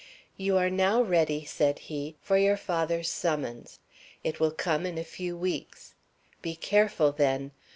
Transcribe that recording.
"You are now ready," said he, "for your father's summons. It will come in a few weeks. Be careful, then.